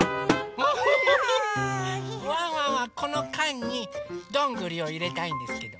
ワンワンはこのかんにどんぐりをいれたいんですけど。